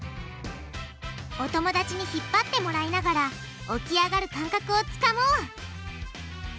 お友達に引っ張ってもらいながら起き上がる感覚をつかもう！